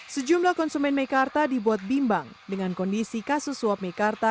sejumlah konsumen meikarta dibuat bimbang dengan kondisi kasus suap mekarta